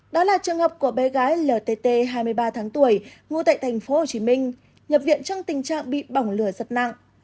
đó là trường hợp của bé gái ltt hai mươi ba tháng tuổi ngụ tại tp hcm nhập viện trong tình trạng bị bỏng lửa giật nặng